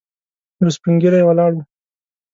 یو سپين ږيری ولاړ و.